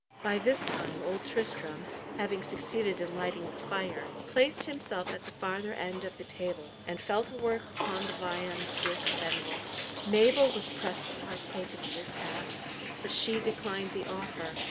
By this time Old Tristram, having succeeded in lighting the fire, placed himself at the farther end of the table, and fell to work upon the viands with Fenwolf. Mabel was pressed to partake of the repast, but she declined the offer.